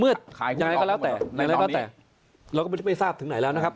ยังไงก็แล้วแต่เราก็ไม่ทราบถึงไหนแล้วนะครับ